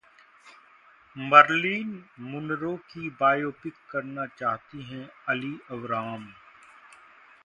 Merlin Monroe की biopic करना चाहती हैं एली अवराम